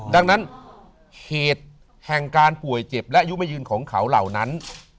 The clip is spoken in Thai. ดังนั้นเหตุแห่งการป่วยเจ็บและอายุไม่ยืนของเขาเหล่านั้น